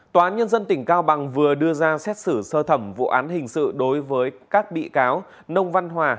tòa án nhân dân tỉnh cao bằng vừa đưa ra xét xử sơ thẩm vụ án hình sự đối với các bị cáo nông văn hòa